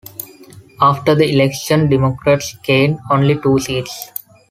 After the election, Democrats gained only two seats.